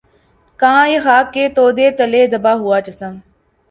کہاں یہ خاک کے تودے تلے دبا ہوا جسم